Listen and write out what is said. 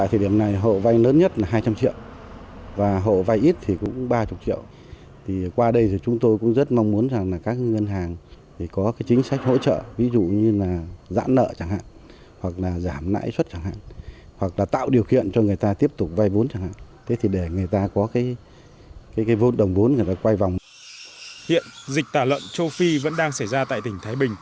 hiện dịch tả lợn châu phi vẫn đang xảy ra tại tỉnh thái bình